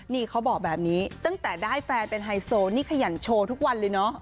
นี่เขาบอกแบบนี้ตั้งแต่ได้แฟนเป็นไฮโซนี่ขยันโชว์ทุกวันเลยเนอะ